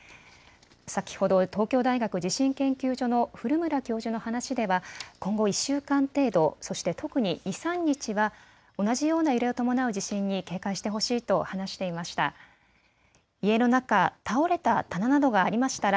先ほど東京大学地震研究所の古村教授の話では今後１週間程度、そして特に２、３日は同じような揺れを伴う地震に警戒してほしいと話していました。